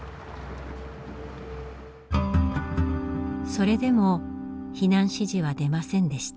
それでも避難指示は出ませんでした。